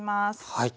はい。